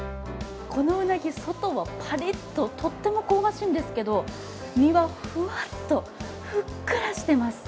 このうなぎ、外はパリッととっても香ばしいんですけど身はふわっと、ふっくらしています